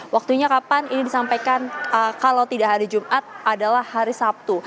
waktunya kapan ini disampaikan kalau tidak hari jumat adalah hari sabtu